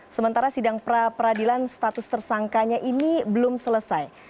sementara sidang pra peradilan status tersangkanya ini belum selesai